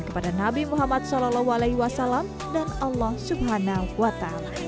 kepada nabi muhammad saw dan allah swt